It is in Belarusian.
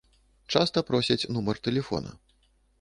Часта просяць нумар тэлефона.